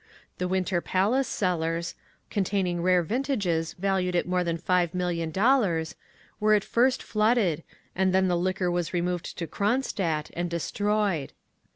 The Winter Palace cellars, containing rare vintages valued at more than five million dollars, were at first flooded, and then the liquor was removed to Cronstadt and destroyed.